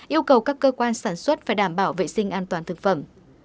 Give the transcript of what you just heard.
yêu cầu các cơ quan sản xuất phải đảm bảo vệ sinh an toàn thực phẩm